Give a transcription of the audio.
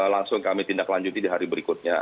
langsung kami tindak lanjuti di hari berikutnya